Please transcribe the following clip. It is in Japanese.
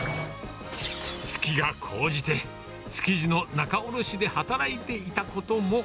好きがこうじて、築地の仲卸で働いていたことも。